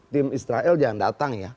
tim israel jangan datang ya